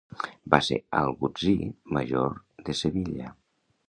Va ser algutzir major de Sevilla.